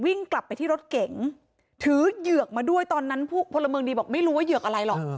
วิ่งกลับไปที่รถเก๋งถือเหยือกมาด้วยตอนนั้นผู้พลเมืองดีบอกไม่รู้ว่าเหยือกอะไรหรอก